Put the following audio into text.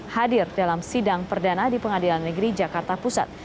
hadir dalam sidang perdana di pengadilan negeri jakarta pusat